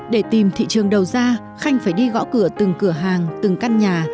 để tìm thị trường đầu ra khanh phải đi gõ cửa từng cửa hàng từng căn nhà